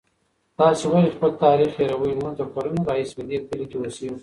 تاسې ولې خپل تاریخ هېروئ؟ موږ له کلونو راهیسې په دې کلي کې اوسېږو.